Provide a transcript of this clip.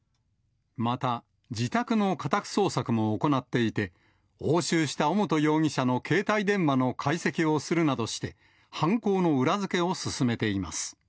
また自宅の家宅捜索も行っていて、押収した尾本容疑者の携帯電話の解析をするなどして、犯行の裏付けを進めています。